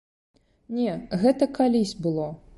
Не, гэта калісь было.